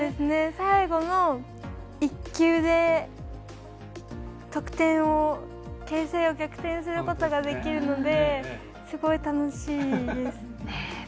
最後の１球で形勢逆転できるのですごい楽しいです。